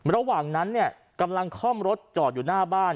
ระหว่างนั้นเนี่ยกำลังคล่อมรถจอดอยู่หน้าบ้าน